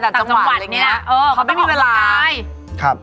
เวลาไปต่างจังหวัดเขาไม่มีเวลา